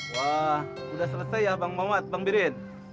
wah udah selesai ya bang mamat bang mirin